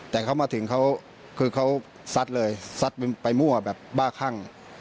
แต่เขามาถึงเขาคือเขาซัดเลยซัดไปมั่วแบบบ้าคั่ง